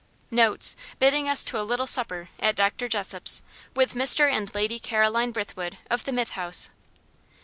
Notes, bidding us to a "little supper" at Dr. Jessop's, with Mr. and Lady Caroline Brithwood, of the Mythe House.